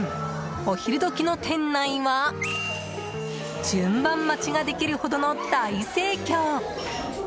お昼時の店内は順番待ちができるほどの大盛況。